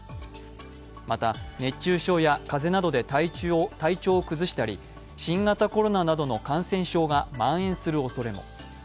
また熱中症や風邪などで体調を崩したり、新型コロナなどの感染症がまん延するおそれも。